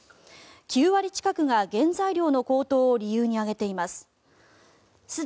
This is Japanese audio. ９割近くが原材料の高騰を理由に挙げています。